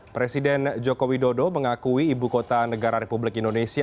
presiden jokowi dodo mengakui ibu kota negara republik indonesia